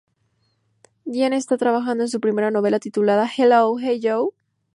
Diane está trabajando en su primera novela titulada "Hello, Hey Joe".